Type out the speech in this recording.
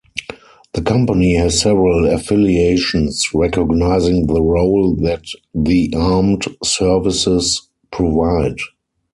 The Company has several affiliations recognising the role that the Armed Services provide.